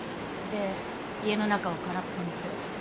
で家の中を空っぽにする。